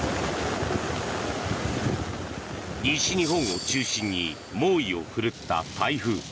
西日本を中心に猛威を振るった台風。